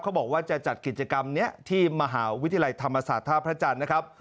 บอกว่าจะจัดกิจกรรมนี้ที่มหาวิทยาลัยธรรมศาสตร์ท่าพระจันทร์นะครับ